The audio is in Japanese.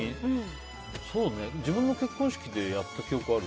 自分の結婚式でやった記憶ある？